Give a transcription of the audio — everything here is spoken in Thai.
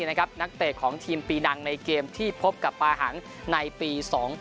นักเตะของทีมปีดังในเกมที่พบกับปาหังในปี๒๐